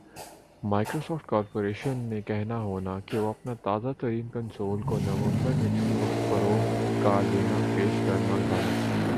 Microsoft corporation نے کہنا ہونا کہ وُہ اپنا تازہ ترین کنسول کو نومبر میں کِسی وقت فروخت کا لینا پیش کرنا گانا